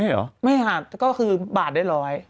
เหรอไม่ค่ะก็คือบาทได้ร้อย